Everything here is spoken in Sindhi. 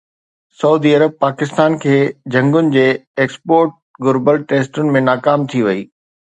سعودي عرب پاڪستان کي جهنگن جي ايڪسپورٽ گهربل ٽيسٽن ۾ ناڪام ٿي وئي